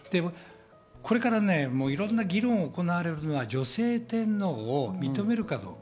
これからいろんな議論が行われるのは女性天皇を認めるかどうか。